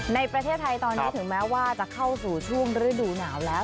ในประเทศไทยตอนนี้ถึงแม้ว่าจะเข้าสู่ช่วงฤดูหนาวแล้ว